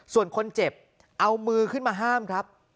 ส่วนคนเจ็บเอามือขึ้นมาห้ามครับ